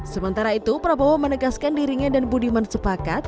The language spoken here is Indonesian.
sementara itu prabowo menegaskan dirinya dan budiman sepakat